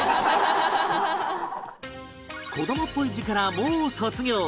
子どもっぽい字からもう卒業！